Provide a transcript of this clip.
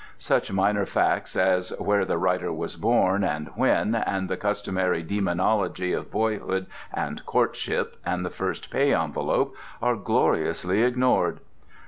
Such minor facts as where the writer was born, and when, and the customary demonology of boyhood and courtship and the first pay envelope, are gloriously ignored.